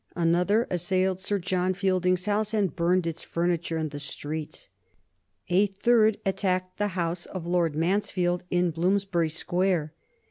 Another assailed Sir John Fielding's house, and burned its furniture in the streets. A third attacked the house of Lord Mansfield in Bloomsbury Square.